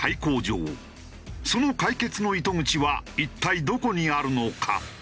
その解決の糸口は一体どこにあるのか？